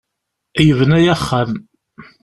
Yebna-iyi axxam.